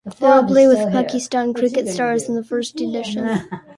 They will play with Pakistan cricket stars in the first edition.